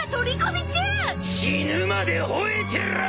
死ぬまで吠えてろ！